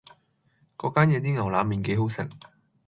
嗰間嘢啲牛腩麵幾好食